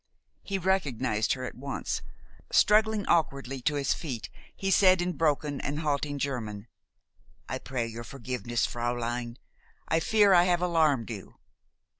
He recognized her at once. Struggling awkwardly to his feet, he said in broken and halting German, "I pray your forgiveness, fräulein. I fear I have alarmed you."